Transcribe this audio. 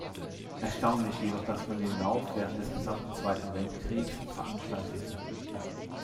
Erstaunlich jedoch, dass man den Lauf während des gesamten Zweiten Weltkriegs veranstaltete.